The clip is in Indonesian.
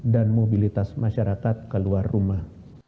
dan mobilitas masyarakat keluar rumah